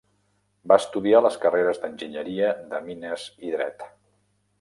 Va estudiar les carreres d'Enginyeria de Mines i Dret.